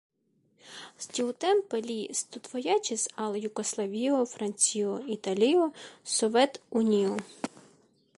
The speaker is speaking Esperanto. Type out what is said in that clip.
Tiutempe li studvojaĝis al Jugoslavio, Francio, Italio, Sovetunio.